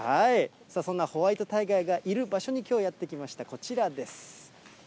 そんなホワイトタイガーがいる場所にきょう、やって来ました、こちらです。